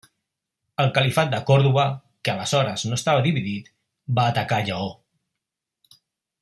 El califat de Còrdova, que aleshores no estava dividit, va atacar Lleó.